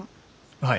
はい。